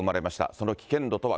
その危険度とは。